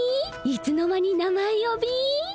いつの間に名前呼び？